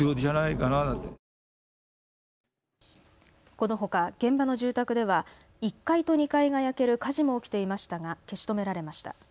このほか現場の住宅では１階と２階が焼ける火事も起きていましたが消し止められました。